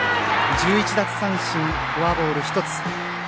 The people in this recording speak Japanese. １１奪三振、フォアボール１つ。